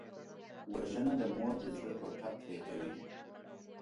وژنه د مور د زړه ټوټه پرې کوي